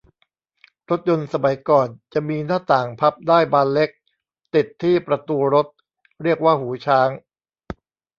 รถยนต์สมัยก่อนจะมีหน้าต่างพับได้บานเล็ก ติดที่ประตูรถ เรียกว่าหูช้าง